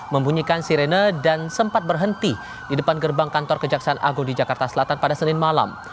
membunyikan sirene dan sempat berhenti di depan gerbang kantor kejaksaan agung di jakarta selatan pada senin malam